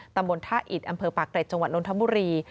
ตำบลท่าอิทอำเภอปากเกรดจนทบุรี